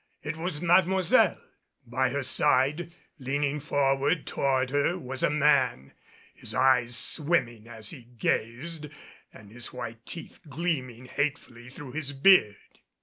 It was Mademoiselle! By her side, leaning forward toward her, was a man, his eyes swimming as he gazed and his white teeth gleaming hatefully through his beard.